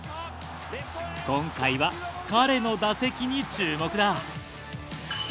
今回は彼の打席に注目だ。